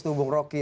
itu hubung rocky